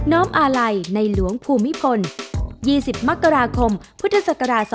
น้อมอาลัยในหลวงภูมิพล๒๐มักราคมพศ๒๕๖๐